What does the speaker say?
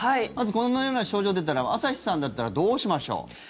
まずこのような症状が出たら朝日さんだったらどうしましょう？